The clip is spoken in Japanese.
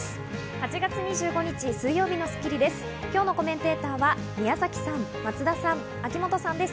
８月２５日、水曜日の『スッキリ』です。